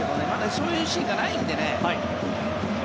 そういうシーンがないのでね。